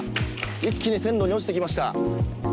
一気に線路に落ちてきました。